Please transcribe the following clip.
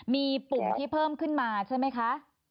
มีปุ่มที่เพิ่มขึ้นมาใช่ไหมคะ